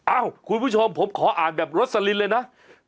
คุณผู้ชมผมขออ่านแบบรสลินเลยนะ